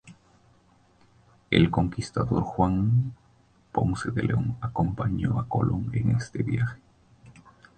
El conquistador español Juan Ponce de León acompañó a Colón en este viaje.